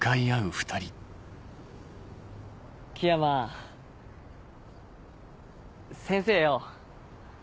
樹山先生よ。